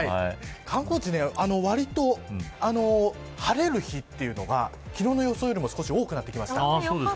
観光地、わりと晴れる日というのが昨日の予想よりも少し多くなってきました。